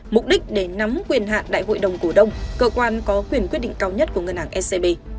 mục đích để nắm quyền hạn đại hội đồng cổ đông cơ quan có quyền quyết định cao nhất của ngân hàng scb